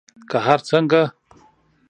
که هر څنګه